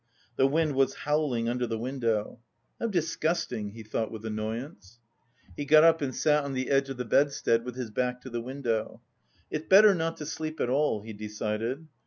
The wind was howling under the window. "How disgusting," he thought with annoyance. He got up and sat on the edge of the bedstead with his back to the window. "It's better not to sleep at all," he decided.